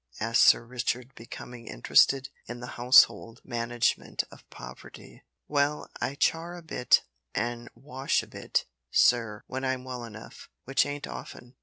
asked Sir Richard, becoming interested in the household management of Poverty. "Well, I char a bit an' wash a bit, sir, when I'm well enough which ain't often.